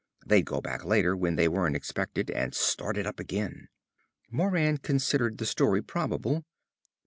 They'd go back later when they weren't expected, and start it up again. Moran considered the story probable.